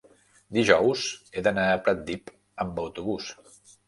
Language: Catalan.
dijous he d'anar a Pratdip amb autobús.